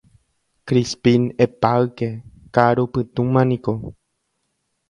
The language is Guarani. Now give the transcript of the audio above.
Crispín epáyke ka'arupytũma niko